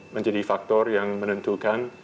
menjadi faktor yang menentukan